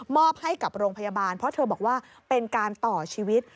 ให้กับโรงพยาบาลเพราะเธอบอกว่าเป็นการต่อชีวิต